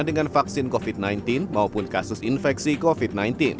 dengan vaksin covid sembilan belas maupun kasus infeksi covid sembilan belas